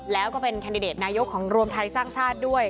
แล้วก็เป็นแคนดิเดตนายกของรวมไทยสร้างชาติด้วย